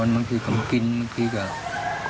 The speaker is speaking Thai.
มาบ่อยไหมครับ